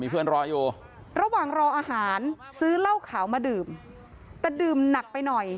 เพื่อนรออยู่ระหว่างรออาหารซื้อเหล้าขาวมาดื่มแต่ดื่มหนักไปหน่อย